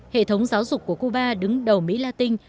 hệ thống giáo dục của cuba đứng đầu mỹ latin